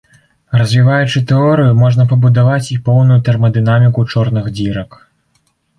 Развіваючы тэорыю, можна пабудаваць і поўную тэрмадынаміку чорных дзірак.